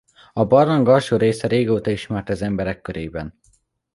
A barlang alsó része régóta ismert az emberek körében.